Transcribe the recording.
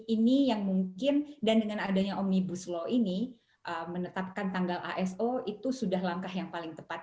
ini yang mungkin dan dengan adanya omnibus law ini menetapkan tanggal aso itu sudah langkah yang paling tepat